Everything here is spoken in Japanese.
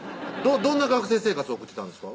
どんな学生生活を送ってたんですか？